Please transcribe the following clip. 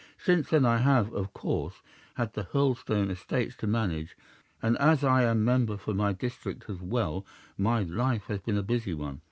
Since then I have of course had the Hurlstone estates to manage, and as I am member for my district as well, my life has been a busy one.